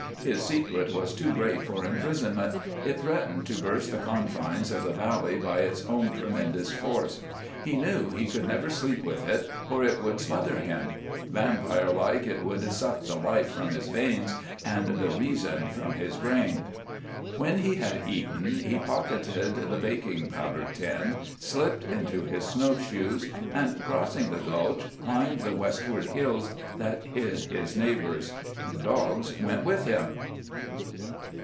His secret was too great for imprisonment, it threatened to burst the confines of the valley by its own tremendous force; he knew he could never sleep with it, for it would smother him; vampire like, it would suck the life from his veins and the reason from his brain. When he had eaten he pocketed the baking powder tin, slipped into his snow shoes and, crossing the gulch, climbed the westward hills that hid his neighbors. The dogs went with him.